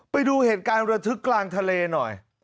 ไปดูเหตุการณ์ระทึกกลางทะเลหน่อย